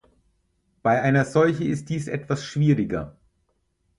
Bei einer Seuche ist dies etwas schwieriger.